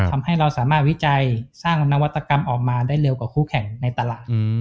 ทำให้เราสามารถวิจัยสร้างนวัตกรรมออกมาได้เร็วกว่าคู่แข่งในตลาด